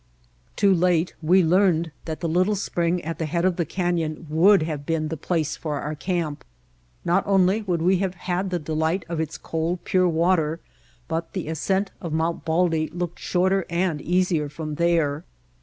Too late we learned that the little spring at the head of the canyon would have been the place for our camp. Not only would we have had the delight of its cold, pure water, but the ascent of Mount Baldy looked shorter and easier from there.